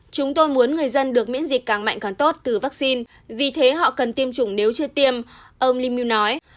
chúng tôi muốn người dân được miễn dịch càng mạnh càng tốt từ vaccine vì thế họ cần tiêm chủng nếu chưa tiêm ông limun nói